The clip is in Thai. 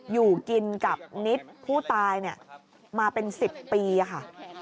อยู่กินกับนิดผู้ตายมาเป็น๑๐ปีค่ะ